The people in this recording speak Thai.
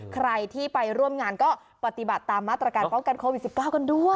ใครที่ไปร่วมงานก็ปฏิบัติตามมาตรการป้องกันโควิด๑๙กันด้วย